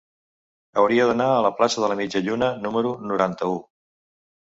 Hauria d'anar a la plaça de la Mitja Lluna número noranta-u.